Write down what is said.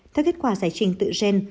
theo kết quả giải trình tự gen